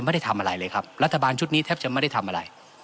ไม่ได้ทำอะไรเลยครับรัฐบาลชุดนี้แทบจะไม่ได้ทำอะไร